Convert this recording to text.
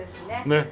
ねっ。